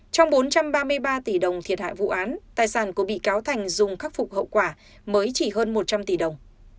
trong bốn trăm ba mươi ba tỷ đồng thiệt hại vụ án tài sản của bị cáo thành dùng khắc phục hậu quả mới chỉ hơn một trăm linh tỷ đồng